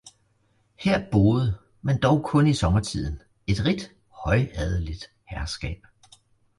Her boede, men dog kun i sommertiden, et rigt, højadeligt herskab.